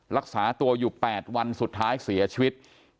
รักษาตัวอยู่๘วันสุดท้ายเสียชีวิต